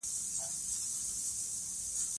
سمي لاري ته هدايت كړي،